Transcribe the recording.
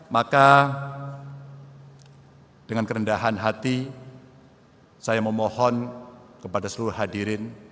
maka dengan kerendahan hati saya memohon kepada seluruh hadirin